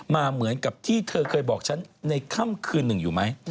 มาเหมือนกับที่เธอเคยบอกฉันในค่ำคืนหนึ่งอยู่ไหม